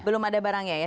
belum ada barangnya ya